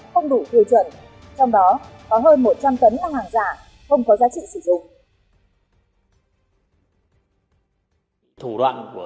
không đủ thừa chuẩn